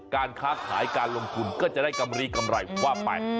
การค้าขายการลงทุนก็จะได้กำลีกำไรว่าไป